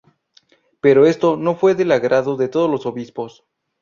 Pero esto no fue del agrado de todos los obispos.